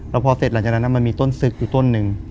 แล้วพอเสร็จหลังจากนั้นมันมีต้นซึกอยู่ต้นหนึ่ง